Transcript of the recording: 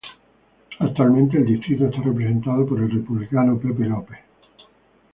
Actualmente el distrito está representado por el Republicano Frank Lucas.